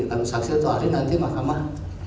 karena saksi atau ahli nanti mahkamah